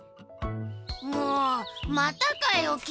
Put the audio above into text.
もうまたかよキイ！